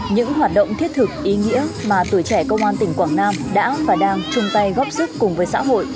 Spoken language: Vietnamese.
những hoạt động thiết thực ý nghĩa mà tuổi trẻ công an tỉnh quảng nam đã và đang chung tay góp sức cùng với xã hội